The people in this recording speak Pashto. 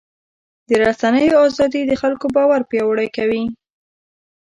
د رسنیو ازادي د خلکو باور پیاوړی کوي.